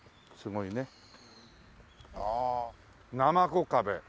ああなまこ壁。